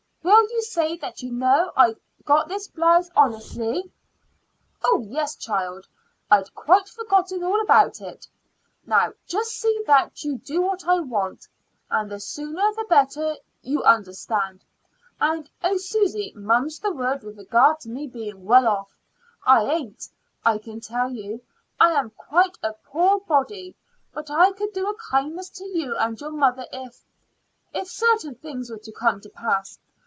Will you say that you know that I got this blouse honestly?" "Oh, yes, child! I'd quite forgotten all about it. Now just see that you do what I want; and the sooner the better, you understand. And, oh, Susy, mum's the word with regard to me being well off. I ain't, I can tell you; I am quite a poor body. But I could do a kindness to you and your mother if if certain things were to come to pass.